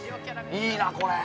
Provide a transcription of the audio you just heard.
いいな、これ。